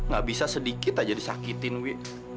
gak bisa sedikit aja disakitin wi